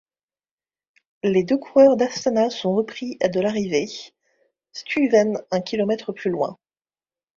Les deux coureurs d'Astana sont repris à de l'arrivée, Stuyven un kilomètre plus loin.